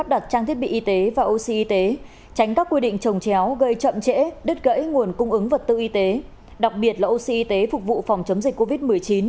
đặt trang thiết bị y tế và oxy y tế tránh các quy định trồng chéo gây chậm trễ đứt gãy nguồn cung ứng vật tư y tế đặc biệt là oxy y tế phục vụ phòng chống dịch covid một mươi chín